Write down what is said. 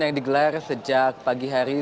yang digelar sejak pagi hari